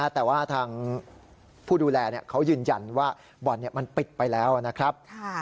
แต่ว่าทางผู้ดูแลเขายืนยันว่าบ่อนมันปิดไปแล้วนะครับ